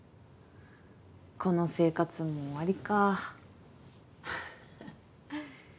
この生活も終わりかははっ。